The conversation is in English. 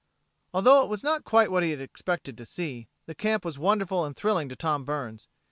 Although it was not quite what he had expected to see, the camp was wonderful and thrilling to Tom Burns.